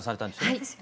はい。